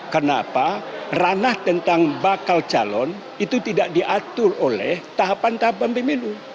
kenapa ranah tentang bakal calon itu tidak diatur oleh tahapan tahapan pemilu